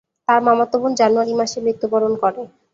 তার মামাতো বোন জানুয়ারি মাসে মৃত্যুবরণ করে।